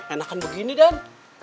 enakan begini dan